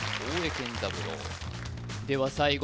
健三郎では最後